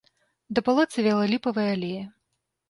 Да палаца вяла ліпавая алея.